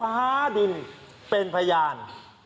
้าดินเป็นพยาน